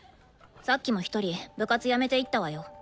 さっきも１人部活辞めていったわよ。